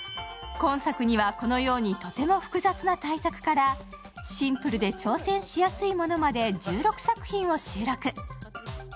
今作にはこのようにとても複雑な大作からシンプルで挑戦しやすいものまで１６作品を収録。